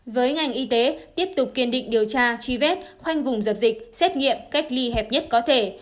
với ngành y tế tiếp tục kiên định điều tra truy vết khoanh vùng dập dịch xét nghiệm cách ly hẹp nhất có thể